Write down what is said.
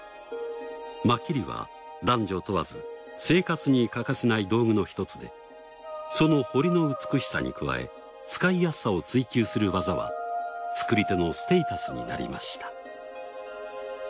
マキリは男女問わず生活に欠かせない道具の一つでその彫りの美しさに加え使いやすさを追求する技は作り手のステイタスになりました。